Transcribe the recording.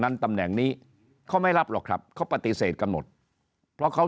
ตำแหน่งนี้เขาไม่รับหรอกครับเขาปฏิเสธกันหมดเพราะเขา